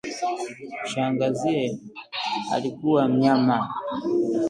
shangaziye alikuwa mnyama